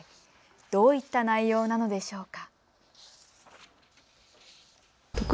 どういった内容なのでしょうか。